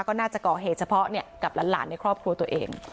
ก็น่าจะก่อเหตุเฉพาะกับหลานในครอบครัวตัวเอง